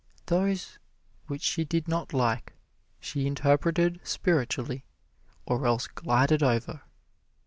Those which she did not like she interpreted spiritually or else glided over.